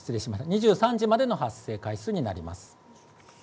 ２３時までの発生回数になります。